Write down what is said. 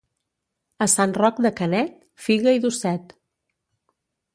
A Sant Roc de Canet, figa i dosset.